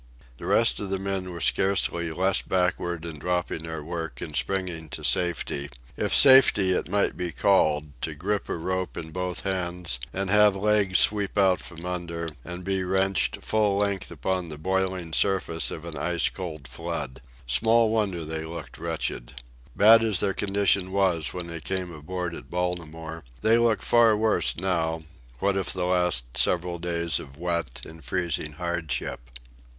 The rest of the men were scarcely less backward in dropping their work and springing to safety—if safety it might be called, to grip a rope in both hands and have legs sweep out from under, and be wrenched full length upon the boiling surface of an ice cold flood. Small wonder they look wretched. Bad as their condition was when they came aboard at Baltimore, they look far worse now, what of the last several days of wet and freezing hardship.